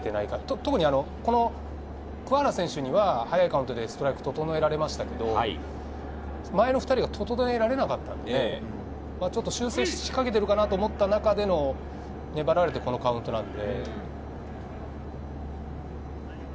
特に桑原選手には早いカウントでストライクを整えられましたけど、前の２人は整えられなかったので、ちょっと修整しかけているのかなと思った中での粘られてこのカウントなので。